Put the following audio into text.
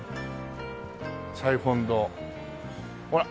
「彩本堂」ほら。